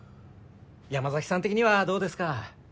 山崎さん的にはどうですか？